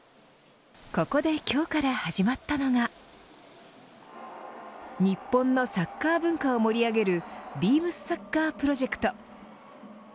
ここで今日から始まったのが日本のサッカー文化を盛り上げるＢＥＡＭＳＳＯＣＣＥＲプロジェクト。